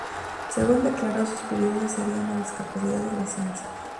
Según declaró, sus prioridades serían la discapacidad y la ciencia.